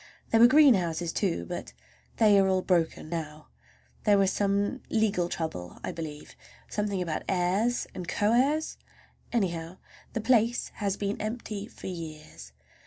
There were greenhouses, too, but they are all broken now. There was some legal trouble, I believe, something about the heirs and co heirs; anyhow, the place has been empty for years.